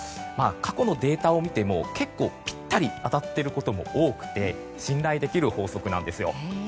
過去のデータを見ても結構ピッタリ当たっていることも多くて信頼できる法則なんですよ。